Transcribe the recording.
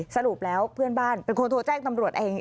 สรุปแล้วเป็นคนโทรแจ้งตำรวจเอง